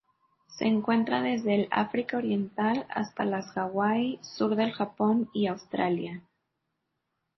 Se encuentra desde el África Oriental hasta las Hawaii, sur del Japón y Australia.